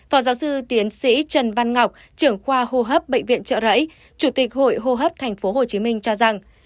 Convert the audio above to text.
phó giáo sư tiến sĩ trần văn ngọc trưởng khoa hô hấp bệnh viện trợ rẫy chủ tịch hội hô hấp tp hồ chí minh cho rằng